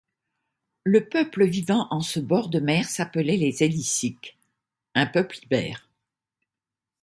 Le peuple vivant en ce bord de mer s'appelait les Élisyques, un peuple Ibère.